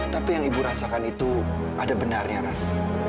tapi yang ibu rasakan itu ada benarnya ras